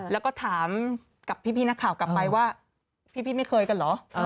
แล้วก็ถามกับพี่นักข่าวกลับไปว่าพี่ไม่เคยกันเหรอ